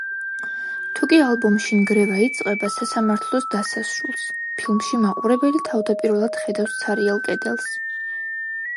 თუკი ალბომში ნგრევა იწყება სასამართლოს დასასრულს, ფილმში მაყურებელი თავდაპირველად ხედავს ცარიელ კედელს.